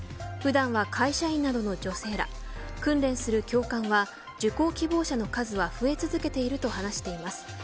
普段は会社員などの女性ら訓練する教官は受講希望者の数は増え続けていると話しています。